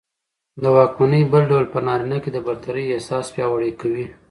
د واکمنۍ بل ډول په نارينه کې د برترۍ احساس پياوړى کوي